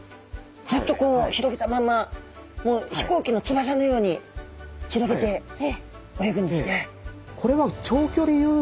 ずっとこう広げたまんま飛行機のつばさのように広げて泳ぐんですね。